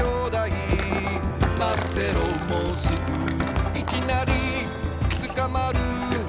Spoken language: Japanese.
「まってろもうすぐ」「いきなりつかまる」